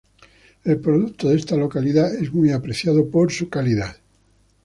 El producto de esta localidad es muy apreciado por su calidad.